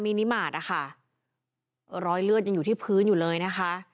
มีนิมาตรนะคะรอยเลือดยังอยู่ที่พื้นอยู่เลยนะคะ